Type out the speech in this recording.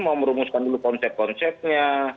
mau merumuskan dulu konsep konsepnya